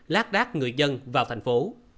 lát đát người dân vào thành phố